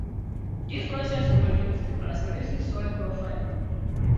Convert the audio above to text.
These processes produce the characteristic soil profile.